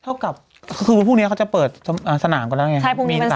เท่ากับคือวันนี้เขาจะเปิดอ่าสนามก็แล้วไงใช่พรุ่งนี้มันสาว